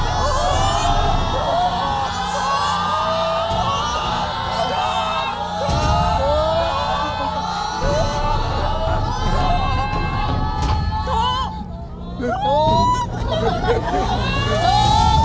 ถูก